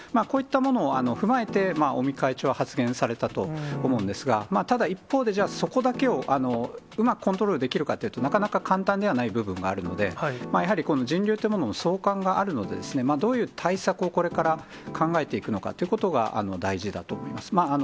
こういったものを踏まえて、尾身会長は発言されたと思うんですが、ただ一方で、じゃあ、そこだけをうまくコントロールできるかっていうと、なかなか簡単ではない部分があるので、やはり、この人流というものの相関があるので、どういう対策をこれから考えていくのかということが大事だと思います。